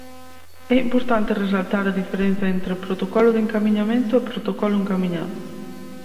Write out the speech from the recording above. É importante resaltar a diferenza entre protocolo de encamiñamento e protocolo encamiñado.